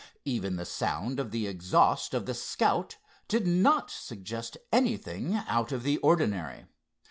Even the sound of the exhaust of the Scout did not suggest anything out of the ordinary.